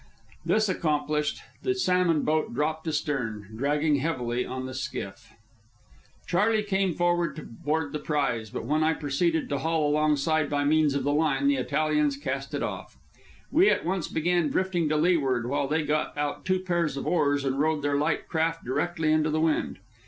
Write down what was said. This accomplished, the salmon boat dropped astern, dragging heavily on the skiff. Charley came forward to board the prize, but when I proceeded to haul alongside by means of the line, the Italians cast it off. We at once began drifting to leeward, while they got out two pairs of oars and rowed their light craft directly into the wind.